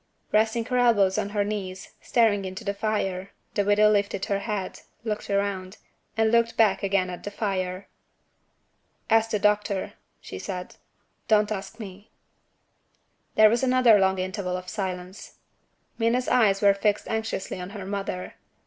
Resting her elbows on her knees, staring into the fire, the widow lifted her head looked round and looked back again at the fire. "Ask the doctor," she said. "Don't ask me." There was another long interval of silence. Minna's eyes were fixed anxiously on her mother.